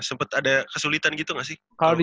sempat ada kesulitan gitu gak sih